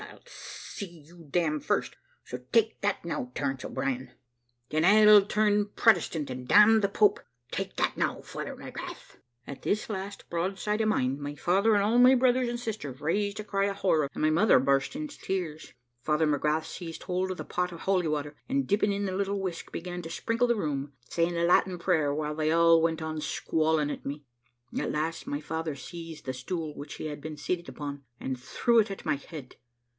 but I'll see you damned first so take that now, Terence O'Brien.' "`Then I'll turn Protestant and damn the Pope take that now, Father McGrath.' "At this last broadside of mine, my father and all my brothers and sisters raised a cry of horror, and my mother burst into tears. Father McGrath seized hold of the pot of holy water, and dipping in the little whisk, began to sprinkle the room, saying a Latin prayer, while they all went on squalling at me. At last, my father seized the stool, which he had been seated upon, and threw it at my head.